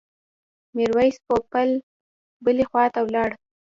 میرویس پوپل بلې خواته ولاړ.